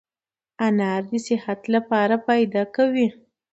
انار دي صحت لپاره فایده کوي